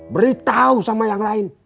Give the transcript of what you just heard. beritahu sama yang lain